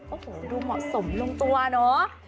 โอ้โหดูเหมาะสมลงตัวเนอะ